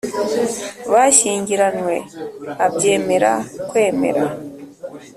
bashyingiranywe abyemera Kwemera